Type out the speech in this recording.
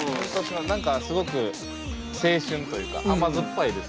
何かすごく青春というか甘酸っぱいですね。